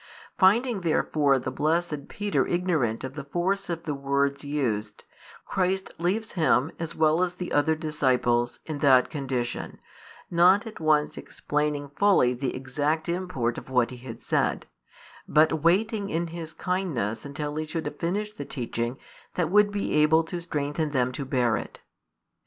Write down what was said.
Finding therefore the blessed Peter ignorant of the force of the words used, |225 Christ leaves him, as well as the other disciples, in that condition, not at once explaining fully the exact import of what He had said, but waiting in His kindness until He should have finished the teaching that would be able to strengthen them to bear it.